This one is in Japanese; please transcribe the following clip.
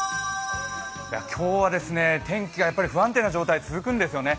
今日は天気が不安定な状態が続くんですよね。